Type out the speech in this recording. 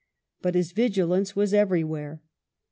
But his vigilance was everjnvhere.